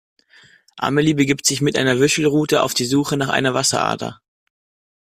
Amelie begibt sich mit einer Wünschelrute auf die Suche nach einer Wasserader.